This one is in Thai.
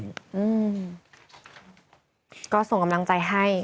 อืมก็ส่งกำลังใจให้